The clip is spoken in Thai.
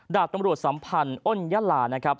ดาบตำรวจสัมพันธ์อ้นยาลานะครับ